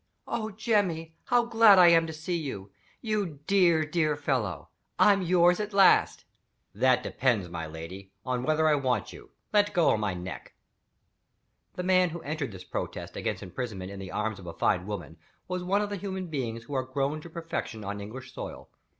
"Oh, Jemmy, how glad I am to see you! You dear, dear fellow. I'm yours at last." "That depends, my lady, on whether I want you. Let go of my neck." The man who entered this protest against imprisonment in the arms of a fine woman, was one of the human beings who are grown to perfection on English soil.